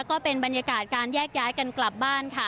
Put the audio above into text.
ก็เป็นบรรยากาศการแยกย้ายกันกลับบ้านค่ะ